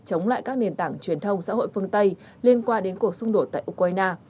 chống lại các nền tảng truyền thông xã hội phương tây liên quan đến cuộc xung đột tại ukraine